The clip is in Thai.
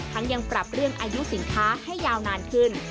ยังปรับเรื่องอายุสินค้าให้ยาวนานขึ้น